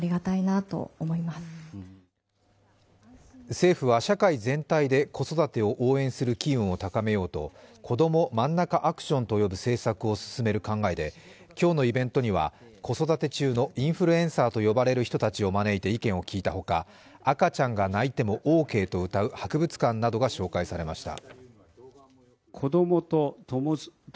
政府は、社会全体で子育てを応援する機運を高めようとこどもまんなかアクションと呼ぶ政策を進める考えで今日のイベントには子育て中のインフルエンサーと呼ばれる人たちを招いて意見を聞いたほか赤ちゃんが泣いてもオーケーとうたう博物館などが紹介されました。